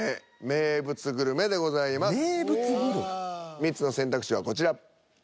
３つの選択肢はこちら。